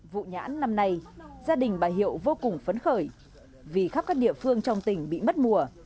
vụ nhãn năm nay gia đình bà hiệu vô cùng phấn khởi vì khắp các địa phương trong tỉnh bị mất mùa